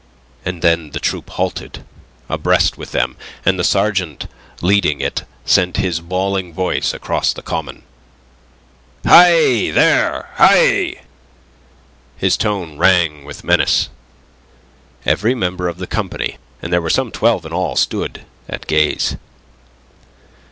And then the troop halted, abreast with them, and the sergeant leading it sent his bawling voice across the common. "Hi, there! Hi!" His tone rang with menace. Every member of the company and there were some twelve in all stood at gaze.